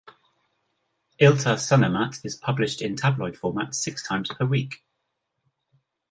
"Ilta Sanomat" is published in tabloid format six times per week.